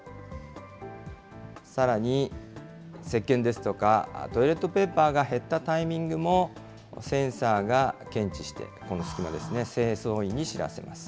さらに、せっけんですとか、トイレットペーパーが減ったタイミングもセンサーが検知して、この隙間ですね、清掃員に知らせます。